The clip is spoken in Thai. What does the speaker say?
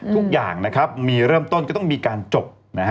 ทุกอย่างเริ่มต้นต้องมีการจบ